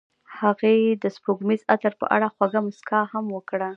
هغې د سپوږمیز عطر په اړه خوږه موسکا هم وکړه.